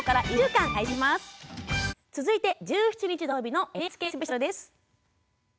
続いて、１７日土曜日のＮＨＫスペシャルです。